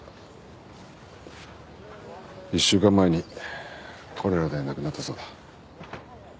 １週間前にコレラで亡くなったそうだ。